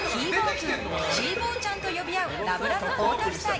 君、ちーぼぉちゃんと呼び合う、ラブラブ太田夫妻。